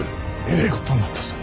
えれえことになったぞ。